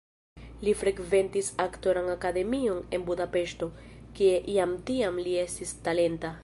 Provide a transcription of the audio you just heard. Li frekventis aktoran akademion en Budapeŝto, kie jam tiam li estis talenta.